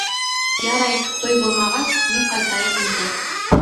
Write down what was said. Ярай, туй булмағас, мин ҡайтайым инде.